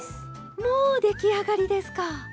もう出来上がりですか？